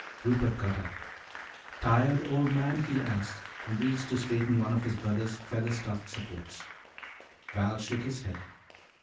Rupert got up. "Tired, old man?" he asked and reached to straighten one of his brother's feather stuffed supports. Val shook his head.